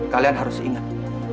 kalian harus ingat